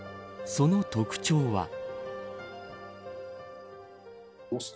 その特徴は。